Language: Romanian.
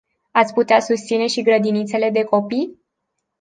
Ați putea susține și grădinițele de copii?